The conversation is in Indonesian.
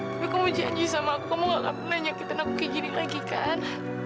tapi kamu janji sama aku kamu gak pernah nyakitin aku kayak gini lagi kan